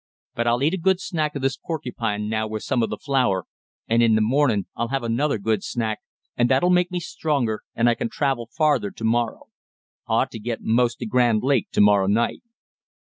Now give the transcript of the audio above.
But I'll eat a good snack of this porcupine now with some of the flour, and in the mornin' I'll have another good snack, and that'll make me stronger and I can travel farther to morrow. I ought to get most to Grand Lake to morrow night."